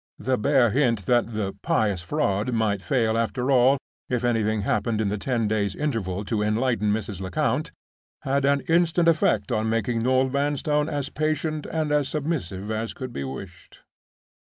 The bare hint that the "pious fraud" might fail after all, if anything happened in the ten days' interval to enlighten Mrs. Lecount, had an instant effect in making Noel Vanstone as patient and as submissive as could be wished.